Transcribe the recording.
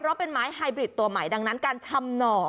เพราะเป็นไม้ไฮบริดตัวใหม่ดังนั้นการชำหน่อ